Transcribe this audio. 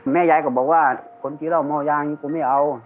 แม่ยายก็บอกว่าคนที่เล่าม่อยางนี้กูไม่เอา